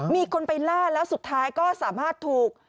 มีคนไปล่าแล้วสุดท้ายก็สามารถถูก